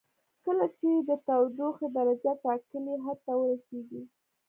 کله چې د تودوخې درجه ټاکلي حد ته ورسیږي.